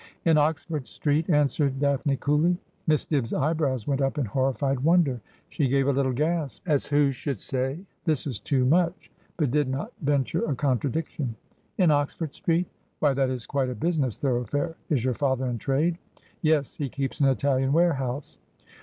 ' In Oxford Street,' answered Daphne coolly. Miss Dibb's eyebrows went up in horrified wonder ; she gave a little gasp, as who should say, ' This is too much !' but did not venture a contradiction. ' In Oxford Street ? Why, that is quite a business thorough fare. Is your father in trade ?'' Yes. He keeps an Italian warehouse.'